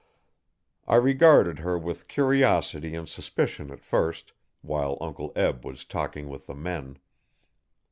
I regarded her with curiosity and suspicion at first, while Uncle Eb was talking with the men.